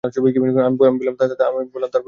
আমি বললাম, তারপর কী হল বলুন।